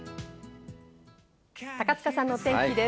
高塚さんのお天気です。